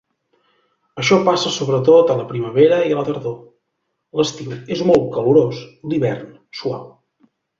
Això passa sobretot a la primavera i a la tardor; l'estiu és molt calorós, l'hivern suau.